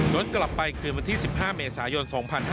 กลับไปคืนวันที่๑๕เมษายน๒๕๕๙